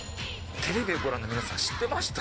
テレビをご覧の皆さん知ってました？